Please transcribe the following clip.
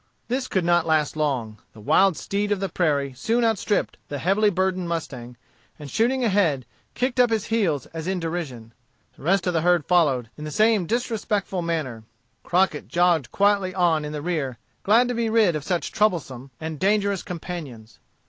This could not last long. The wild steed of the prairie soon outstripped the heavily burdened mustang, and shooting ahead, kicked up his heels as in derision. The rest of the herd followed, in the same disrespectful manner. Crockett jogged quietly on in the rear, glad to be rid of such troublesome and dangerous companions.